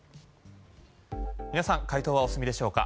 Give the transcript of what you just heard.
皆さん回答はお済みでしょうか？